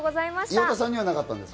岩田さんにはなかったんですか？